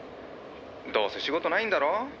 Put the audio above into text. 「どうせ仕事ないんだろ。